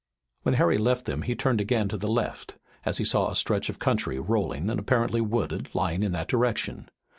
When Harry left them he turned again to the left, as he saw a stretch of country rolling and apparently wooded lying in that direction.